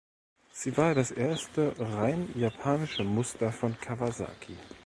Sie war das erste rein japanische Muster von Kawasaki.